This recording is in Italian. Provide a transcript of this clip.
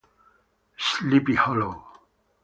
Sleepy Hollow